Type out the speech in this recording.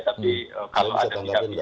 tapi kalau ada yang tidak menjawabnya